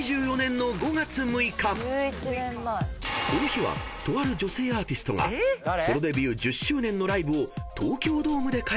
［この日はとある女性アーティストがソロデビュー１０周年のライブを東京ドームで開催した日］